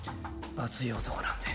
「熱い男なんで」